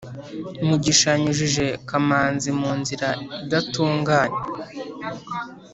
mugisha yanyujije kamanzi mu nzira idatunganye